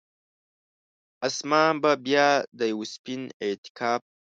اسمان به بیا د یوه سپین اعتکاف،